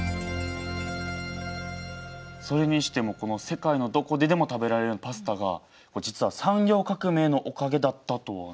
それにしても世界のどこででも食べられるようになったパスタが実は産業革命のおかげだったとはね。